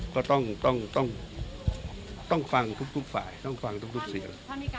ก็ต้องฟังทุกฝ่ายต้องฟังทุกเสียง